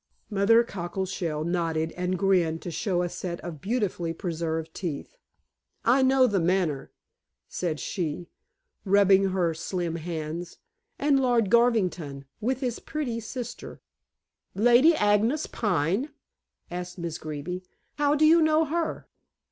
Mother Cockleshell nodded and grinned to show a set of beautifully preserved teeth. "I know The Manor," said she, rubbing her slim hands. "And Lord Garvington, with his pretty sister." "Lady Agnes Pine?" asked Miss Greeby. "How do you know, her?"